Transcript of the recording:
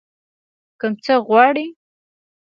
کوم څه غواړئ؟